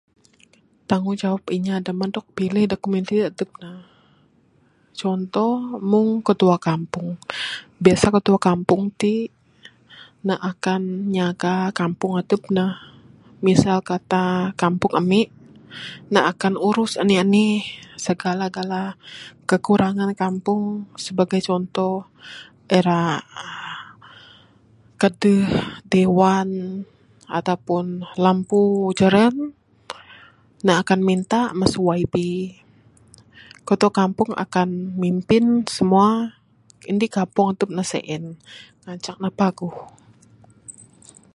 Tangggunjawab inya dak moh dok pilih dok komuniti adep ne. Contoh meng ketua kampung, biasa ketua kampung t ne akan nyaga kampung adep ne misal kata kampung ami ne akan urus anih anih segala gala kekurangan kampung sebagai contoh ira uhh kedeh dewan ataupun lampu jeran ne akan minta mesu yb. Ketua kampung akan mimpin semua indi kampung adep ne sien ngancak ne paguh.